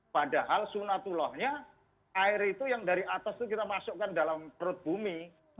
padahal sunatullahnya air itu yang dari atas itu kita masukkan dalam perut bumi